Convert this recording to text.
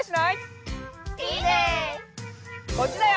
こっちだよ。